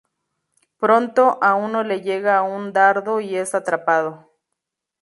Pronto, a uno le llega un dardo y es atrapado.